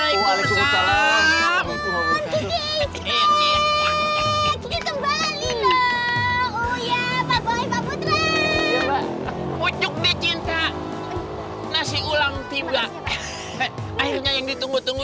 ini adalah karun tiga